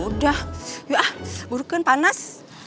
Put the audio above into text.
ya udah yuk ah buruk kan panas